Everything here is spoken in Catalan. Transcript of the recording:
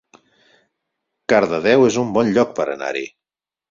Cardedeu es un bon lloc per anar-hi